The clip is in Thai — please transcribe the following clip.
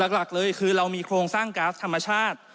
หลักเลยคือเรามีโครงสร้างก๊าซธรรมชาติ